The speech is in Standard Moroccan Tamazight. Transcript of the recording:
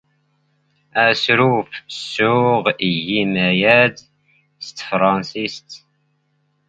ⴰⵙⵔⵓⴼ ⵙⵙⵓⵖ ⵉⵢⵉ ⵎⴰⵢⴰⴷ ⵙ ⵜⴼⵕⴰⵏⵙⵉⵙⵜ.